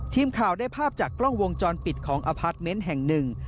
ทีมข่าวได้ภาพจากกล้องวงจรปิดของอพาร์ทเมนต์แห่งหนึ่ง